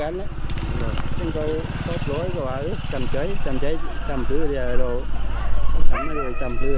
อัตโตรดิฤทธิ์